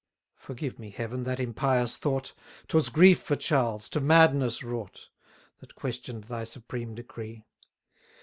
Forgive me, Heaven, that impious thought! 'Twas grief for Charles, to madness wrought, That question'd thy supreme decree.